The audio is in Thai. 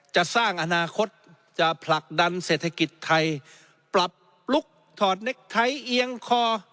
จะสร้างอนาคตจะผลักดันเศรษฐกิจไทยปรับลุกถอดเน็กไทยเอียงคอ